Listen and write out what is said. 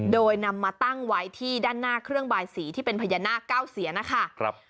โดยนำมาตั้งไว้ที่ด้านหน้าเครื่องบายสีที่เป็นพญานาคเก้าเสียนะคะ